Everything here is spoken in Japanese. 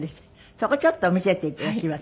そこちょっと見せていただきます。